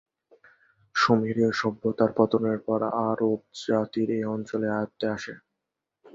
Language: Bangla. সুমেরীয় সভ্যতার পতনের পর আরব জাতির এ অঞ্চল আয়ত্তে আসে।